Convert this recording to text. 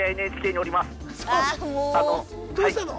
どうしたの？